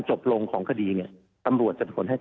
ในส่วนของการพิสูจน์ของคดี